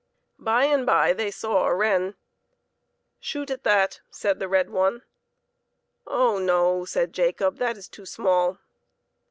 By and by they saw a wren. " Shoot at that," said the red one. " Oh no," said Jacob, " that is too small."